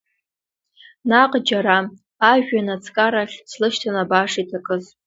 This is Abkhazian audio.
Наҟ џьара, ажәҩан аҵкарахь, слышьҭан абааш иҭакыз.